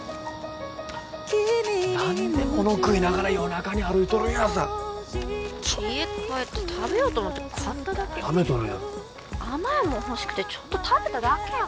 何でもの食いながら夜中に歩いとるんやさ家帰って食べようと思って買っただけ食べとるやろ甘いもんほしくてちょっと食べただけやもん